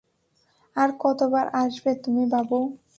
আর কতবার আসবে তুমি, বাবু?